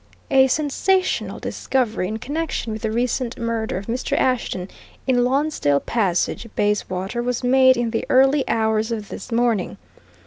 A sensational discovery in connection with the recent murder of Mr. Ashton in Lonsdale Passage, Bayswater, was made in the early hours of this morning.